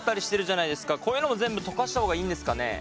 こういうのも全部溶かした方がいいんですかね？